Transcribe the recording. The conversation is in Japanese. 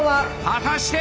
果たして！